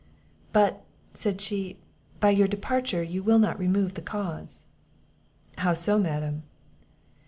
"But," said she, "by your departure you will not remove the cause." "How so, madam?"